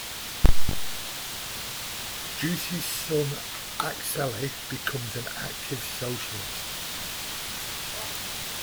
Jussi's son Akseli becomes an active socialist.